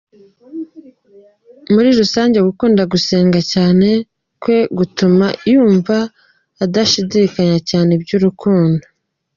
Muri rusange gukunda gusenga cyane kwe gutuma yumva adashishikariye cyane iby’urukundo.